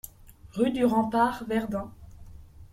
Rue du Rempart, Verdun